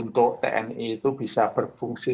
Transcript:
untuk tni itu bisa berfungsi